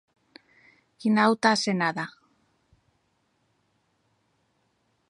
Quina auta asenada!